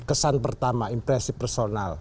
kesan pertama impresi personal